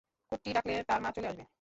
কুট্টি ডাকলে তার মা চলে আসবে?